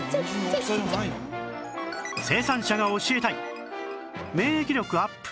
生産者が教えたい免疫力アップ